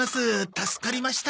助かりました。